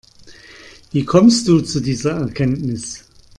Wie kommst du zu dieser Erkenntnis?